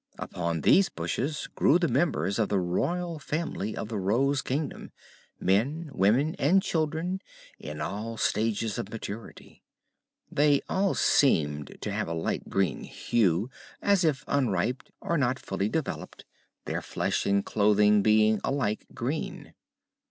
Upon these bushes grew the members of the Royal Family of the Rose Kingdom men, women and children in all stages of maturity. They all seemed to have a light green hue, as if unripe or not fully developed, their flesh and clothing being alike green.